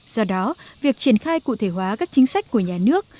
do đó việc triển khai cụ thể hóa các chính sách của nhà nước